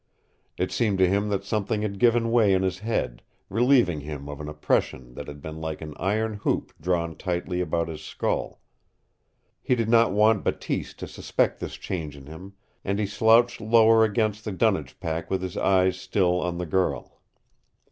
It seemed to him that something had given way in his head, relieving him of an oppression that had been like an iron hoop drawn tightly about his skull. He did not want Bateese to suspect this change in him, and he slouched lower against the dunnage pack with his eyes still on the girl.